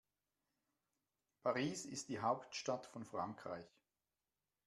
Paris ist die Hauptstadt von Frankreich.